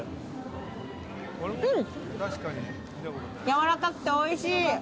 やわらかくて、おいしい。